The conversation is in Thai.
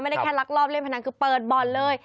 ได้แค่ลักลอบเล่นพนันคือเปิดบ่อนเลย